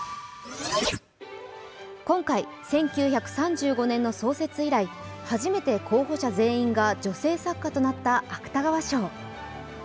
今回、１９３５年の創設以来、初めて候補者全員が女性作家となった芥川賞。